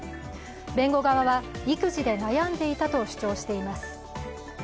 弁護側は育児で悩んでいたと主張しています。